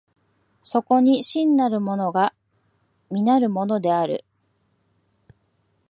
そこに真なるものが実なるものである。